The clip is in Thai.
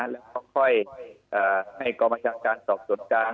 แล้วค่อยให้กรมชาติการสอบส่วนกลาง